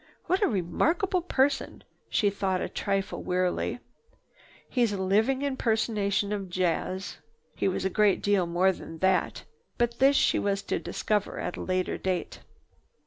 "What a remarkable person!" she thought a trifle wearily. "He's a living impersonation of jazz." He was a great deal more than that, but this she was to discover at a later date.